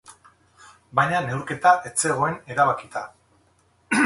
Baina neurketa ez zegoen erabakita.